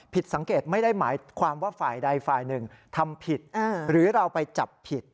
ผิดสังเกตไม่ได้หมายความว่าฝ่ายใดฝ่ายหนึ่งทำผิดหรือเราไปจับผิด